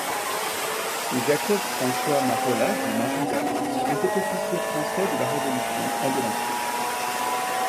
Jacob François Marola dit Marulaz était officier français de la Révolution et de l'Empire.